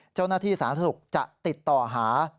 เจ้าหน้าที่สาธารณสุขจะติดต่อหา